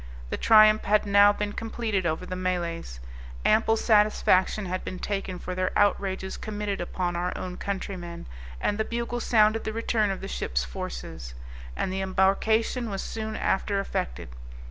The triumph had now been completed over the Malays; ample satisfaction had been taken for their outrages committed upon our own countrymen, and the bugle sounded the return of the ship's forces; and the embarkation was soon after effected.